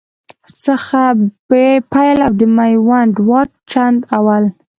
څخه پیل او د میوند واټ، چنداول